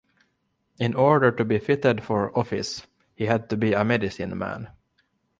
In order to be fitted for office, he had to be a medicine-man.